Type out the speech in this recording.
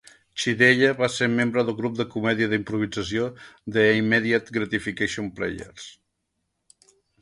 Chideya va ser membre del grup de comèdia d'improvisació The Immediate Gratification Players.